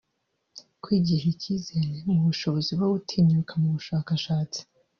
kwigirira ikizere n’ ubushobozi bwo gutinyuka mu bushakashatsi